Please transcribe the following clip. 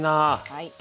はい。